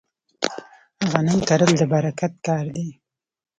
غنم کرل د برکت کار دی.